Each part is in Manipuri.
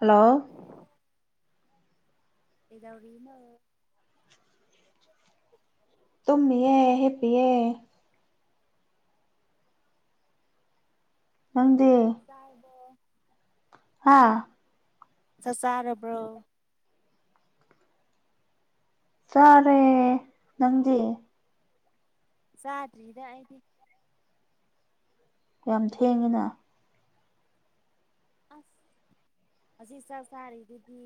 ꯍꯜꯂꯣ꯫ ꯀꯩꯗꯧꯔꯤꯅꫭ꯫ ꯃꯤꯑꯦ ꯍꯦꯄꯤꯑꯦ꯫ ꯅꯪꯗꯤ ꯆꯥꯏꯗ꯫ ꯍꯥ꯫ ꯆ ꯆꯥꯔꯕ꯭ꯔꯣ꯫ ꯆꯥꯔꯦ ꯅꯪꯗꯤ꯫ ꯆꯥꯗ꯭ꯔꯤꯗ ꯑꯩꯗꯤ꯫ ꯌꯥꯝ ꯊꯦꯡꯉꯤꯅ꯫ ꯑꯁ꯫ ꯑꯁꯤ ꯆꯥꯛ ꯆꯥꯔꯤꯗꯨꯗꯤ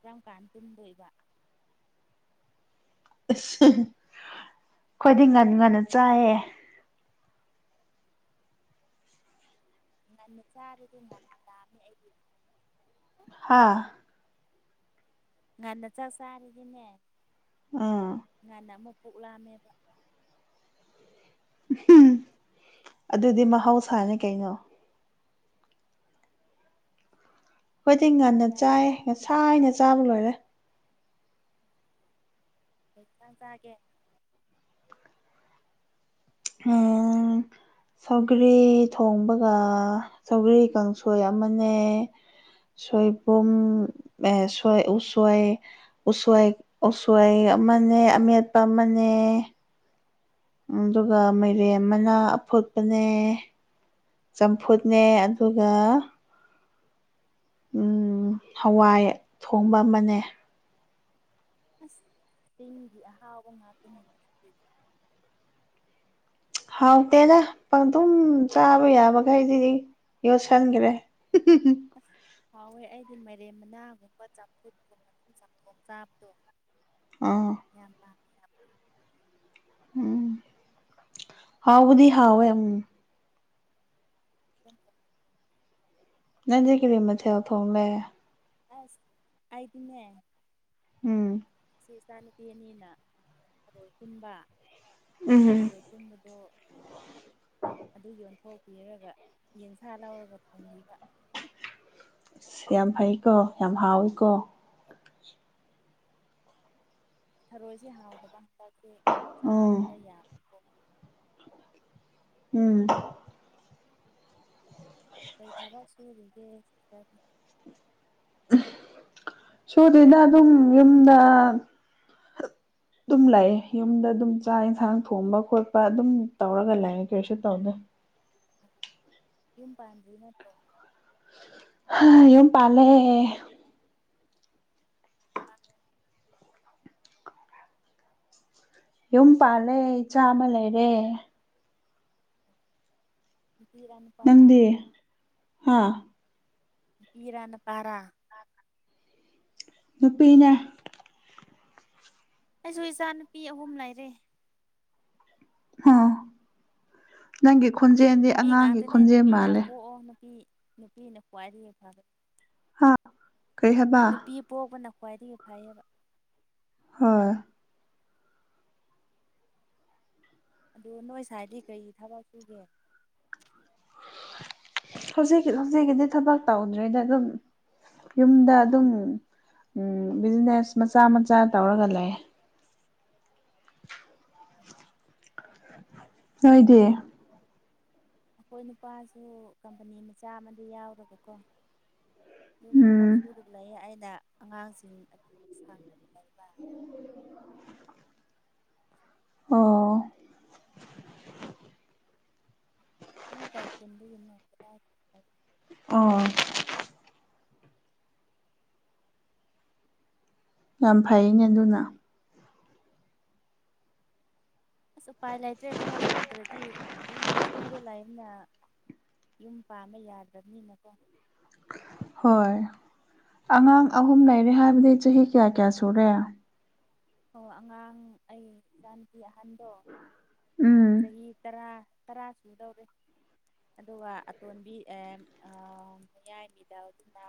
ꯀꯔꯝ ꯀꯥꯟ ꯇꯨꯝꯗꯣꯏꯕꯥ꯫ ꯑꯁ ꯈꯣꯏꯗꯤ ꯉꯟ ꯉꯟꯅ ꯆꯥꯏꯌꯦ꯫ ꯉꯟꯅ ꯆꯔꯗꯤ ꯉꯟꯅ ꯂꯥꯝꯑꯦ꯫ ꯍꯥꯥ꯫ ꯉꯥꯟꯅ ꯆꯛ ꯆꯥꯔꯗꯤꯅꯦ ꯎꯝ꯫ ꯉꯟꯅ ꯑꯃꯨꯛ ꯄꯨꯛ ꯂꯥꯝꯑꯦꯕ꯫ ꯑꯗꯨꯗꯤ ꯃꯍꯧꯁꯥꯅꯦ ꯀꯩꯅꯣ꯫ ꯈꫭꯏꯗꯤ ꯅꯪꯗꯤ ꯉꯟꯅ ꯀꯥꯏꯗꯒꯤ ꯆꯥꯏ ꯉꯁꯥꯏꯅ ꯆꯥꯕ ꯂꯣꯏꯔꯦ꯫ ꯀꯩ ꯍꯤꯟꯁꯥꯡ ꯆꯥꯒꯦ꯫ ꯎꯝ꯫ [unintelligible] ꯁꯧꯒ꯭ꯔꯤ ꯊꯣꯡꯕꯒ ꯁꯧꯒ꯭ꯔꯤ ꯀꯥꯡꯁꯣꯏ ꯑꯃꯅꯦ꯫ ꯁꯣꯏꯕꯨꯝ ꯑꯦ ꯁꯣꯏ ꯎꯁꫭꯏ ꯎꯁꫭꯏ ꯎꯁꫭꯏ ꯑꯃꯅꯦ ꯑꯃꯦꯠꯄ ꯑꯃꯅꯦ ꯑꯗꯨꯒ ꯃꯩꯔꯦꯟ ꯃꯅ ꯑꯐꯨꯠꯄꯅꯦ꯫ ꯆꯝꯐꯨꯠꯅꯦ ꯑꯁ ꯑꯗꯨꯒ ꯎꯝ ꯍꯋꯥꯏ ꯊꯣꯡꯕ ꯑꯃꯅꯦ꯫ ꯑꯁ ꯆꯤꯡꯒꯤ ꯑꯍꯥꯎꯕ ꯉꯥꯛꯇꯅꯦ꯫ ꯍꯥꯎꯇꯦꯗ ꯄꯪꯗꯨꯝ ꯆꯥꯕ ꯌꯥꯕꯈꯩꯗꯤꯗꯤ ꯌꯣꯠꯁꯟꯒ꯭ꯔꯦ꯫ ꯑꯁ ꯍꯥꯎꯋꯦ ꯑꯩꯗꯤ ꯃꯔꯦꯝ ꯃꯅꯥꯒꯨꯝꯕ ꯆꯝꯐꯨꯠꯀꯨꯝꯕ ꯆꯝꯊꯣꯡ ꯆꯥꯕꯗꯣ꯫ ꯑꯥ ꯌꯥꯝꯅ ꯎꯝ ꯍꯥꯎꯕꯨꯗꯤ ꯍꯥꯎꯋꯦ ꯎꯝ [inaudible] ꯅꯪꯗꯤ ꯀꯔꯤ ꯃꯊꯦꯜ ꯊꫭꯡꯂꯦ꯫ ꯑꯁ ꯑꯩꯗꯤꯅꯦ ꯎꯝ꯫ ꯁꯤ ꯏꯆꯥꯅꯨꯄꯤ ꯑꯅꯤꯅ ꯊꯔꯣꯏ ꯈꯨꯟꯕꯥ ꯎꯝ ꯊꯔꯣꯏ ꯈꯩꯟꯕꯗꯣ [unintelligible] [unintelligible] ꯑꯗꯨ ꯌꯣꯟꯊꯣꯛꯄꯤꯔꯒ ꯌꯦꯟꯁꯥ ꯂꯥꯎꯔꯒ ꯊꫭꯡꯕꯤꯕ꯫ ꯑꯁ ꯌꯥꯝ ꯍꯩꯀꯣ ꯌꯥꯝ ꯍꯥꯎꯋꯤꯀꯣ꯫ ꯊꯔꯣꯏꯁꯦ ꯍꯥꯎꯗꯕ ꯍꯥꯟꯇꯥꯛꯁꯦ ꯆꯥ ꯎꯝ ꯈꯔ ꯌꯥꯕꯀꯣ꯫ ꯎꯝ ꯀꯩ ꯊꯕꯛ ꯁꯨꯔꯤꯒꯦ ꯅꯪ ꯎꯝ ꯁꯨꯗꯔꯤꯗ ꯑꯗꯨꯝ ꯌꯨꯝꯗ [unintelligible] ꯗꯨꯝ ꯂꯩꯌ‌ꯦ ꯌꯨꯝꯗ ꯑꯗꯨꯝ ꯆꯥꯛ ꯌꯦꯟꯁꯥꯡ ꯊꯣꯡꯕ ꯈꯣꯠꯄ ꯑꯗꯨꯝ ꯇꯧꯔꯒ ꯂꯩ ꯀꯔꯤꯁꯨ ꯇꯧꯗ‌ꯦ ꯌꯨꯝ ꯄꯥꯟꯗ꯭ꯔꯤ ꯅꯠꯇ꯭ꯔꯣ ꯍꯥ ꯌꯨꯝ ꯄꯥꯜꯂ‌ꯦ ꯑꯥ ꯌꯨꯝ ꯄꯥꯜꯂꯦ ꯏꯆꯥ ꯑꯃ ꯂꯩꯔꯦ ꯅꯨꯄꯤꯔꯥ ꯅꯨꯄꯥꯔꯥ ꯅꯪꯗꯤ ꯍꯥꯥ ꯅꯨꯄꯤꯔꯥ ꯅꯨꯄꯥꯔꯥꯥ ꯅꯨꯄꯤꯅ‌ꯦ ꯑꯩꯁꯨ ꯏꯆꯥ ꯅꯨꯄꯤ ꯑꯍꯨꯝ ꯂꯩꯔꯦ ꯑꯣ ꯅꯪꯒꯤ ꯈꯣꯟꯖꯦꯜꯗꯤ ꯅꯨꯄꯤ ꯑꯉꯥꯡꯒꯤ ꯉꯥꯛꯇꯅꯦ ꯈꯣꯟꯖꯦꯜ ꯅꯨꯄꯤ ꯌꯥꯝ ꯃꯥꯜꯂꯦ ꯄꯣꯛꯑꯣ ꯅꯨꯄꯤ ꯅꯨꯄꯤꯅ ꯈ꯭ꯋꯥꯏꯗꯒꯤ ꯐꯔ‌ꯦ ꯍꯥ ꯀꯔꯤ ꯍꯥꯏꯕ ꯅꯨꯄꯤ ꯄꯣꯛꯄꯅ ꯈ꯭ꯋꯥꯏꯗꯒꯤ ꯐꯩꯌꯦꯕ ꯍꯣꯏ ꯑꯗ‌ꯣ ꯅꯣꯏ ꯁꯥꯏꯗꯤ ꯀꯔꯤ ꯊꯕꯛ ꯁꯨꯒꯦ ꯍꯧꯖꯤꯛꯀꯤ ꯍꯧꯖꯤꯛꯀꯤꯗꯤ ꯊꯕꯛ ꯇꯧꯗ꯭ꯔꯤꯗ ꯗꯨꯝ ꯌꯨꯝꯗ ꯑꯗꯨꯝ ꯎꯝ ꯕꯤꯖꯤꯅꯦꯁ ꯃꯆꯥ ꯃꯆꯥ ꯇꯧꯔꯒ ꯂꯩ ꯅꯣꯏꯗꯤ ꯑꯩꯈꯣꯏ ꯅꯨꯄꯥꯁꯨ ꯀꯝꯄꯅꯤ ꯃꯆꯥ ꯑꯃꯗꯤ ꯌꯥꯎꯔꯒꯀꯣ ꯗꯨꯝ ꯊꯕꯛ ꯎꯝ ꯁꯨꯔꯒ ꯂꯩꯌꯦ ꯑꯩꯅ ꯑꯉꯥꯡꯁꯤꯡ ꯑꯗꯨ ꯁꯥꯡꯉꯒ ꯂꯩꯕ [inaudible] ꯑꯣ ꯅ‌ꯣꯏ ꯀꯩ ꯈꯨꯟꯗꯒꯤꯅ‌ꯣ ꯀꯗꯥꯏ [unintelligible] ꯑꯣ ꯌꯥꯝ ꯐꯩꯅꯦ ꯑꯗꯨꯅ ꯑꯁ ꯎꯄꯥꯏ ꯂꯩꯇ꯭ꯔꯦ ꯊꯕꯛ ꯁꯨꯗ꯭ꯔꯗꯤ ꯑꯗꯨꯝ ꯐ꯭ꯔꯤꯗ ꯂꯩꯝꯅ ꯌꯨꯝ ꯄꯥꯟꯕ ꯌꯥꯗ꯭ꯔꯝꯅꯤꯅꯀꯣ ꯍꯣꯏ ꯑꯉꯥꯡ ꯑꯍꯨꯝ ꯂꯩꯔꯦ ꯍꯥꯏꯕꯗꯤ ꯆꯍꯤ ꯀꯌꯥ ꯀꯌꯥ ꯁꯨꯔꯦ ꯑꯣ ꯑꯉꯥꯡ ꯑꯩ ꯏꯆꯥꯅꯨꯄꯤ ꯑꯍꯟꯗꯣ ꯎꯝ ꯆꯍꯤ ꯇꯔꯥ ꯇꯔꯥ ꯁꯨꯗꯧꯔꯦ ꯑꯗꯨꯒ ꯑꯇꯣꯟꯕꯤ ꯑꯦ ꯑꯥ ꯌꯥꯏꯝꯕꯤ ꯗꯧꯗꯨꯅ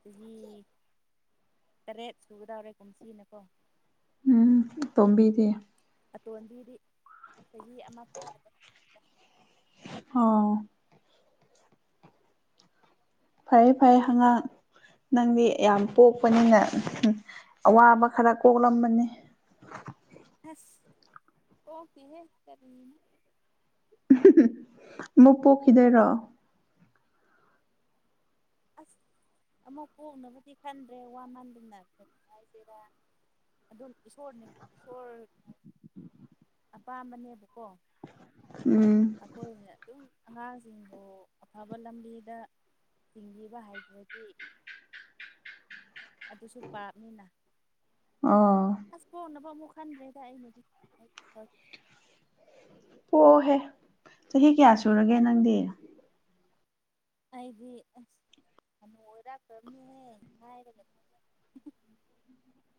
ꯆꯍꯤ ꯇꯔꯦꯠ ꯁꯨꯒꯗꯧꯔꯦ ꯀꯨꯝꯁꯤꯅ ꯀꯣ ꯎꯝ ꯇꯣꯝꯕꯤꯗꯤ ꯑꯇꯣꯟꯕꯤꯗꯤ ꯆꯍꯤ ꯑꯃ ꯐꯥꯕꯗ ꯑ‌ꯣ ꯐꯩꯌ‌ꯦ ꯐꯩꯌꯦ ꯑꯉꯥꯡ ꯅꯪꯗꯤ ꯌꯥꯝ ꯄꯣꯛꯄꯅꯤꯅ ꯍꯝ ꯑꯋꯥꯕ ꯈꯔ ꯀꯣꯛꯂꯝꯃꯅꯤ ꯑꯁ ꯀ‌ꯣꯛꯇ‌ꯦꯍ‌ꯦ ꯀꯔꯤꯅ‌ꯣ ꯃꯨꯛ ꯄꯣꯛꯈꯤꯗꯣꯏꯔꯣ ꯑꯁ ꯑꯃꯨꯛ ꯄꯣꯛꯅꯕꯗꯤ ꯈꯟꯗ꯭ꯔꯦ ꯋꯥꯟ ꯃꯟꯗꯅ ꯀꯔꯤ ꯍꯥꯏꯖꯤꯔꯥ ꯑꯗꯨꯝ ꯏꯁꯣꯔꯅ ꯏꯁꯣꯔ ꯑꯄꯥꯝꯕꯅꯦꯕ ꯀꯣ ꯎꯝ ꯑꯩꯈꯣꯏꯅ ꯑꯗꯨꯝ ꯑꯉꯥꯡꯁꯤꯡꯕꯨ ꯑꯐꯕ ꯂꯝꯕꯤꯗ ꯊꯤꯡꯕꯤꯕ ꯍꯥꯏꯗ꯭ꯔꯗꯤ ꯑꯗꯨꯁꯨ ꯄꯥꯞꯅꯤꯅ ꯑꯣ ꯑꯁ ꯄ‌ꯣꯟꯅꯕ ꯑꯃꯨꯛ ꯈꯟꯗ꯭ꯔꯦꯗ ꯑꯩꯅꯗꯤ [inaudible] ꯄ‌ꯣꯑꯣꯍꯦ ꯆꯍꯤ ꯀꯌꯥ ꯁꯨꯔꯒꯦ ꯅꯪꯗꯤ ꯑꯩꯗꯤ ꯑꯁ ꯑꯃ ꯑꯣꯏꯔꯥꯛꯄꯅꯦ ꯍꯥꯏꯔꯒ ꯐ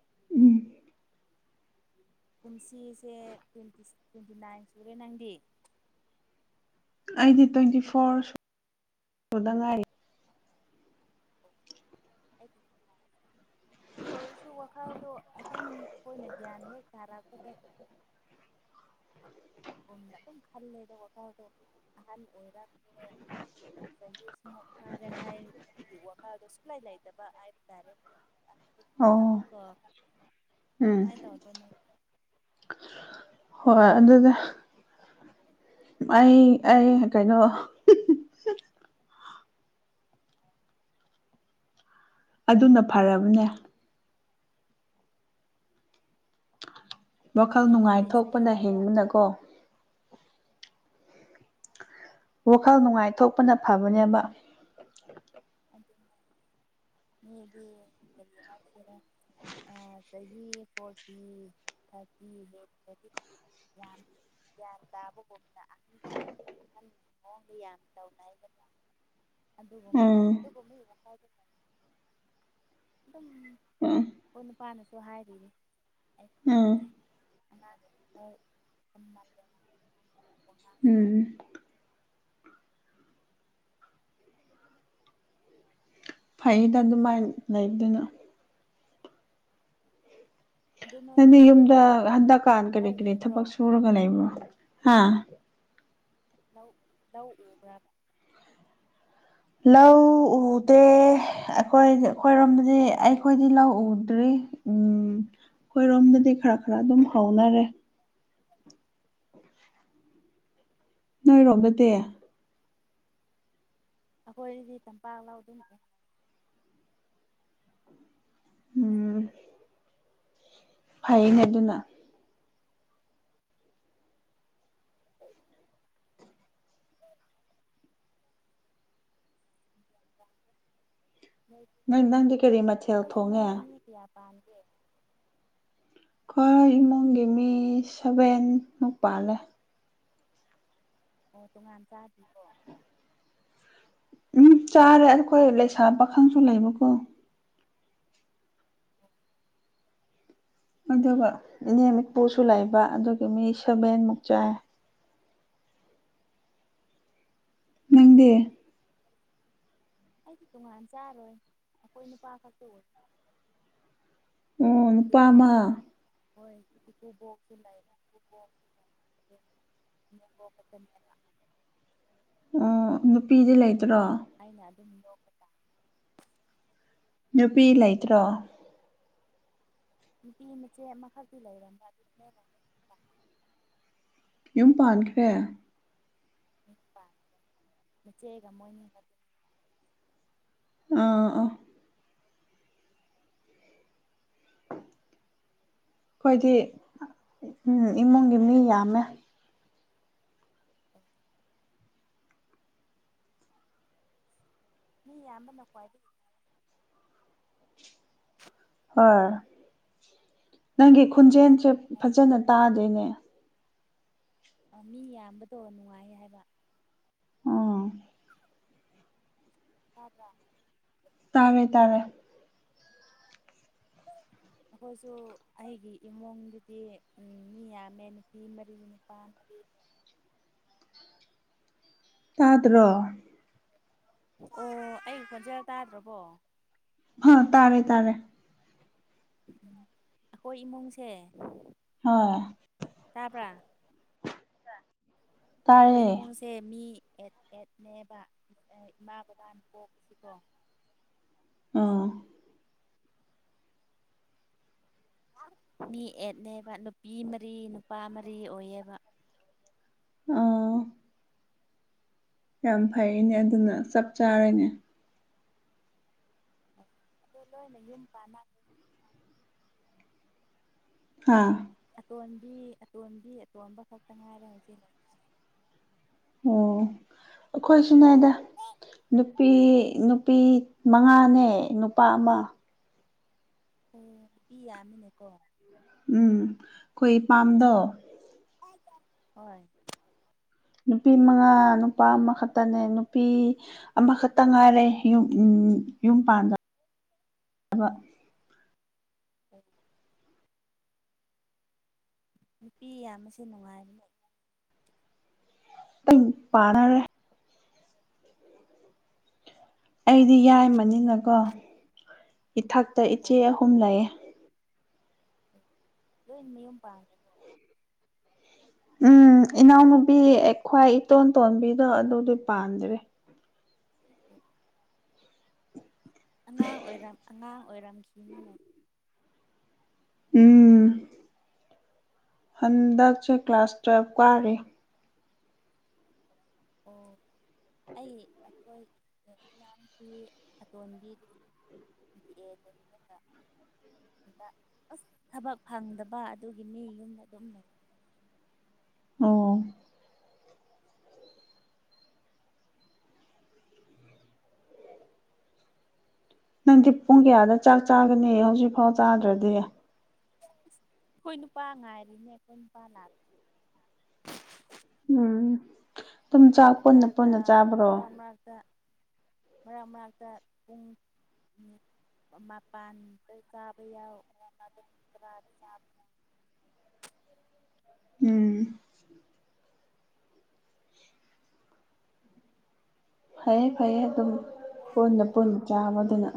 ꯎꯝ ꯀꯨꯝꯁꯤꯁꯦ ꯇ꯭ꯋꯦꯟꯇ ꯇ꯭ꯋꯦꯟꯇꯤ ꯅꯥꯏꯟ ꯁꯨꯔꯦ ꯅꯪꯗꯤ ꯑꯩꯗꯤ ꯇ꯭ꯋꯦꯟꯇꯤ ꯐꯣꯔꯗ ꯉꯥꯏ ꯑꯩꯗꯤ ꯑꯗꯨ ꯑꯣꯏꯔꯁꯨ ꯋꯥꯈꯜꯗꯣ ꯑꯗꯨꯝ ꯑꯩꯈꯣꯏꯅ ꯒ꯭ꯌꯥꯟ ꯍꯦꯛ ꯇꯥꯔꯛꯄꯗ [inaudible] ꯀꯝꯗ ꯑꯗꯨꯝ ꯈ ꯂꯩꯗꯀꯗꯣ ꯑꯍꯜ ꯑꯣꯔꯥ ꯁ ꯐꯥꯔꯦ ꯍꯥꯏ ꯋꯥꯗ ꯥꯏꯗꯕꯕꯥ ꯍꯥꯏꯔꯇꯥꯦ ꯑꯣ ꯄꯣꯊꯥꯗꯀꯣ ꯎꯝ ꯀꯃꯥꯏꯅ ꯇꯧꯗꯣꯏ ꯅꯣꯏꯒꯤ [unintelligible] ꯍꯣꯏ ꯑꯗꯨꯗꯤ ꯑꯩ ꯑꯩ ꯀꯩꯅꯣ ꯑꯗꯨꯅ ꯐꯔꯕꯅꯦ ꯋꯥꯈꯜ ꯃꯤꯗꯤ ꯆꯍꯤ ꯅꯨꯡꯉꯥꯏꯊꯣꯛꯄꯅ ꯈꯔ ꯍꯤꯡꯕꯅꯀꯣ ꯋꯥꯈꯜ ꯅꯨꯡꯉꯥꯏꯊꯣꯛꯄꯅ ꯐꯕꯅꯦꯕ ꯃꯤ ꯗꯤ ꯀꯔꯤ ꯍꯥꯢꯁꯤꯕ ꯆꯍꯤ ꯐꯣꯔꯇꯤ ꯊꯥꯔꯇꯤ ꯍꯦꯗꯤ ꯌꯥꯝ ꯒ꯭ꯌꯥꯟ ꯇꯥꯕꯒꯨꯝꯅ ꯑꯍꯟ ꯌꯥꯝ ꯑꯍꯟ ꯃꯑꯣꯡꯗ ꯌꯥꯝ ꯇꯧꯅꯏꯗꯅ ꯑꯗꯨꯒꯨꯝ ꯎꯝ ꯑꯗꯨꯒꯨꯝ ꯑꯗꯨꯝ ꯎꯝ ꯍꯣꯏ ꯅꯨꯄꯥꯅꯁꯨ ꯍꯥꯏꯔꯤꯅꯦ ꯑ ꯎꯝ ꯍꯣꯏ ꯁꯟꯃꯜ ꯎꯝ ꯐꯩꯗ ꯑꯗꯨꯃꯥꯏꯅ ꯂꯩꯗꯅ ꯑꯗꯨ ꯅꯗꯤ ꯅꯣꯏꯗꯤ ꯌꯨꯝꯗ ꯍꯟꯗꯛꯀꯥꯟ ꯀꯔꯤ ꯂꯧ ꯀꯔꯤ ꯎꯕ꯭ꯔꯣ ꯊꯕꯛ ꯁꯨꯔꯒ ꯂꯩꯕꯣ ꯑ ꯂꯧ ꯂꯧ ꯎꯕ꯭ꯔꯕ ꯂꯧ ꯎꯗꯦ ꯑꯩꯈꯣꯏ ꯑꯩꯈꯣꯏꯔꯣꯝꯗꯗꯤ ꯑꯩꯈꯣꯏꯗꯤ ꯂꯧ ꯎꯗ꯭ꯔꯤ ꯎꯝ [inaudible] ꯑꯩꯈꯣꯏꯔꯣꯝꯗꯗꯤ ꯈꯔ ꯈꯔ ꯑꯗꯨꯝ ꯍꯧꯥꯎꯅꯔꯦ ꯅꯣꯏꯔꯣꯝꯗ ꯇꯦ ꯑꯩꯈꯣꯏꯔꯗꯤ ꯇꯝꯄꯥꯛ ꯂꯧꯎ ꯑꯗꯨꯝ ꯎꯝ ꯐꯩꯅꯦ ꯑꯗꯨꯅ ꯅꯣꯏꯗꯤ ꯅꯪ ꯅꯣꯢꯒꯤ ꯀꯔꯤ ꯃꯊꯦꯜ ꯊꯣꯡꯉꯦ ꯄꯗꯦ ꯑꯩꯈꯣꯏ ꯏꯃꯨꯡꯒꯤ ꯃꯤ ꯁꯚꯦꯟ ꯃꯨꯛ ꯄꯥꯜꯂꯦ ꯑꯣ ꯇꯣꯉꯥꯟ ꯆꯥꯗꯔꯤꯕꯣ ꯎꯝ ꯆꯥꯔꯦ ꯑꯩꯈꯣꯏ ꯂꯩꯁꯥ ꯄꯥꯈꯪꯁꯨ ꯂꯩꯕꯀꯣ ꯑꯗꯨꯒ ꯏꯅꯦ ꯏꯠꯄꯨꯁꯨ ꯂꯩꯕ ꯑꯗꯨꯒꯤ ꯃꯤ ꯁꯚꯦꯟꯃꯨꯛ ꯆꯥꯏ ꯅꯪꯗꯤ ꯑꯩꯗꯤ ꯇꯣꯉꯥꯟ ꯆꯥꯔꯣꯏ ꯑꯩꯈꯣꯏ ꯅꯨꯄꯥ ꯈꯛꯇ ꯑꯣꯏ ꯑꯣ ꯅꯨꯄꯥꯃ ꯍꯣꯏꯨꯕꯁꯨ ꯂꯩ ꯌꯦꯄꯦ ꯃ ꯑꯣ ꯅꯨꯄꯤꯗꯤ ꯂꯩꯇ꯭ꯔꯣ ꯑꯩꯅ ꯑꯗꯨꯝ ꯌꯣꯛꯄ ꯇꯥ ꯅꯨꯄꯤ ꯂꯩꯇ꯭ꯔꯣ ꯅꯨꯄꯤ ꯃꯆꯦ ꯑꯃꯈꯛꯇꯤ ꯂꯩꯔꯕꯅꯤ꯭ꯔ ꯑꯗꯨ ꯌꯨꯝ ꯄꯥꯟꯈ꯭ꯔꯦ ꯆꯒ ꯃ ꯑꯥꯥ [inaudible] ꯑꯩꯈꯣꯏꯗꯤ ꯏꯃꯨꯡꯒꯤ ꯃꯤ ꯌꯥꯝꯃꯦ ꯃꯤ ꯌꯥꯝꯌꯥꯝꯕꯅ ꯈ꯭ꯋꯥꯏꯗꯒꯤꯥꯏ ꯍꯣꯏ ꯅꯪꯒꯤ ꯈꯨꯣꯟꯖꯦꯜꯁꯦ ꯐꯖꯅ ꯇꯥꯗꯣꯏꯅꯦ ꯃꯤ ꯌꯥꯝꯕꯗꯣ ꯅꯨꯡꯉꯥꯏꯌꯦ ꯍꯥꯏꯕ ꯑꯥ ꯇꯗ ꯇꯥꯔꯦ ꯇꯥꯔꯦ ꯍ ꯑꯩꯈꯣꯏꯁꯨ ꯑꯩꯒꯤ ꯏꯃꯨꯡꯒꯤꯗꯤ ꯎꯝ ꯃꯤ ꯌꯥꯝꯃꯦ ꯅꯨꯄꯤ ꯃꯔꯤ ꯅꯨꯄꯥ ꯃꯔꯤ ꯍ ꯇꯥꯗ꯭ꯔꯣ ꯑꯣ ꯑꯩ ꯐꯖ ꯇꯥꯗ꯭ꯔꯕꯣ ꯍꯥ ꯇꯥꯔꯦ ꯇꯥꯔꯦ ꯎ ꯑꯩꯈꯣꯏ ꯏꯃꯨꯡꯁꯦ ꯍꯣꯏ ꯇꯥꯕ꯭ꯔꯥ ꯑꯩꯈꯣꯏ ꯇꯥꯔꯦ ꯏꯃꯨꯡꯁꯦ ꯃꯤ ꯑꯦꯠ ꯑꯦꯠꯅꯦꯕ ꯏꯃꯥ ꯕꯕꯥꯅ ꯀꯣꯛꯄꯁꯤꯀꯣ ꯑꯥ ꯃꯤ ꯑꯦꯠꯅꯦꯕ ꯅꯨꯄꯤ ꯃꯔꯤ ꯅꯨꯄꯥ ꯃꯔꯤ ꯑꯣꯏꯌꯦꯕ ꯑꯥ ꯌꯥꯝ ꯐꯩꯅꯦ ꯑꯗꯨꯅ ꯆꯞ ꯆꯥꯔꯅꯦ ꯑꯣ ꯑꯗꯣ ꯂꯣꯏꯅ ꯌꯨꯝ ꯄꯥꯟ ꯑꯥ ꯑꯇꯣꯝꯕꯤ ꯑꯇꯣꯝꯕꯤ ꯑꯇꯣꯟꯕ ꯈꯛꯇ ꯉꯥꯏꯔꯦ ꯍꯧꯖꯤꯛ ꯂꯩꯔꯤꯁꯦ ꯑꯣ ꯑꯩꯈꯣꯏꯁꯨꯅꯦꯗ ꯅꯨꯄꯤ ꯅꯨꯄꯤ ꯃꯉꯥꯅꯦ ꯅꯨꯄꯥ ꯑꯃ ꯑꯣ ꯏ ꯌꯥꯝꯃꯤꯅꯦꯀꯣ ꯎꯝ ꯑꯩꯈꯣꯏ ꯄꯥꯝꯗꯣ ꯍꯣꯏ ꯅꯨꯄꯤ ꯃꯉꯥ ꯅꯨꯄꯥ ꯑꯃꯈꯛꯇꯅꯦ ꯅꯨꯄꯤ ꯑꯃꯈꯛꯇ ꯉꯥꯏꯔꯦ ꯎ ꯎꯝ ꯌꯨꯝ ꯄꯥꯟꯗ ꯑꯣ ꯑꯕ ꯎꯝ ꯅꯨꯄꯤ ꯑꯌꯥꯝꯕꯁꯦ ꯅꯨꯡꯉꯥꯏꯔꯅꯦ ꯑ ꯄꯥꯅꯔꯦ ꯑꯩꯗꯤ ꯌꯥꯏꯃꯅꯤꯅꯀꯣ ꯏꯊꯛꯇ ꯏꯆꯦ ꯑꯣ ꯑꯍꯨꯝ ꯂꯩꯌꯦ ꯑꯣ ꯂꯣꯏ ꯃꯌꯨꯝ ꯄꯥꯡꯈ꯭ꯔꯣ ꯎꯝ ꯏꯅꯥꯎꯅꯨꯕꯤ ꯈ꯭ꯋꯥꯏ ꯏꯇꯣꯟ ꯇꯣꯟꯕꯤꯗꯣ ꯑꯗꯨꯗꯤ ꯄꯥꯟꯗ꯭ꯔꯦ ꯎ ꯑꯉꯥꯡ ꯑꯣꯏꯔꯝ ꯑꯉꯥꯡ ꯑꯣꯏꯔꯝꯈꯤꯅꯤꯅꯦ ꯎꯝ ꯍꯟꯗꯛꯁꯦ ꯀ꯭ꯂꯥꯁ ꯇꯨꯋꯦꯜꯞ ꯀꯥꯔꯤ ꯑꯣ ꯑꯩ ꯍꯈꯣꯏ ꯂꯔꯤꯛ ꯂꯥꯡꯁꯤ ꯑꯇꯣꯟꯕꯤꯗꯨꯁꯨ [inaudible] ꯑ ꯑꯁ ꯊꯕꯛ ꯐꯪꯗꯕ ꯑꯗꯨꯒꯤ ꯃꯤ ꯌꯨꯝꯗ ꯑꯗꯨꯝ ꯂꯩꯔ [inaudible] ꯑꯣ ꯅꯪꯗꯤ ꯄꯨꯡ ꯀꯌꯥꯗ ꯆꯥꯛ ꯆꯥꯒꯅꯤ ꯍꯧꯖꯤꯛ ꯐꯥꯎ ꯆꯥꯗ꯭ꯔꯗꯤ ꯑꯩꯈꯣꯏ ꯅꯨꯄꯥ ꯉꯥꯏꯔꯤꯅꯦ ꯑꯩꯈꯣꯏ ꯅꯨꯄꯥ ꯂꯥꯛꯇꯦ ꯎꯝ ꯑꯗꯨꯝ ꯆꯥꯛ ꯄꯨꯟꯅ ꯃꯔꯥꯛꯛꯇ ꯄꯨꯟꯅ ꯆꯥꯕ꯭ꯔꯣ ꯃꯔꯥꯡ ꯃꯅꯥꯛꯛꯇ ꯃꯔꯥꯡ ꯃꯅꯥꯛꯇ ꯎꯨꯡ ꯎꯝ ꯃꯄꯥꯟꯗ ꯆꯥꯕ ꯌꯥꯎ ꯃꯕ [inaudible] ꯎꯝ ꯐꯩꯌꯦ ꯐꯩꯌꯦ ꯑꯗꯨꯝ ꯀꯣꯟꯅ ꯄꯨꯟꯕ ꯆꯥꯕꯗꯨꯅ